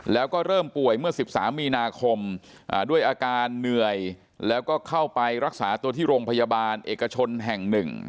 แล้วก็เริ่มป่วยเมื่อ๑๓มีนาคมด้วยอาการเหนื่อยแล้วก็เข้าไปรักษาตัวที่โรงพยาบาลเอกชนแห่ง๑